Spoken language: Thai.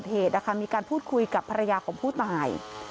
ที่เกิดเหตุมีการพูดคุยกับภรรยาของผู้ตาย